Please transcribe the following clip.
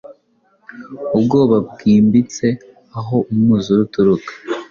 Ubwoba bwimbitseaho umwuzure uturuka